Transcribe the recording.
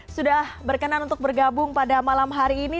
sudah berkenan untuk bergabung pada malam hari ini